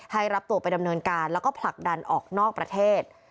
ให้รับตัวไปดำเนินการและผลักดันออกกันนอกประเทศ